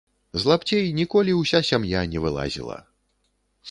З лапцей ніколі ўся сям'я не вылазіла.